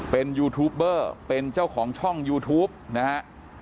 เป็นยูทูปเบอร์เป็นเจ้าของช่องยูทูปนะฮะ